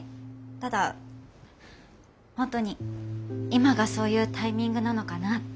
ただ本当に今がそういうタイミングなのかなって。